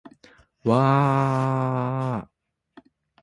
わーーーーーーーー